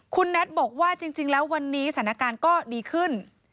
คุณแน็ตบอกว่าจริงแล้ววันนี้สถานการณ์ก็ดีขึ้น